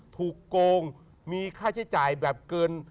โกงมีค่าใช้จ่ายแบบเกิน